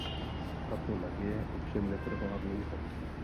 Tato naděje ovšem netrvala dlouho.